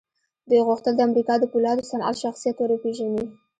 دوی غوښتل د امريکا د پولادو صنعت شخصيت ور وپېژني.